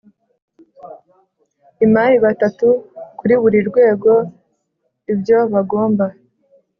imari batatu kuri buri rwego Ibyo bagomba